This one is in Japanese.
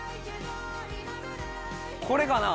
これかな？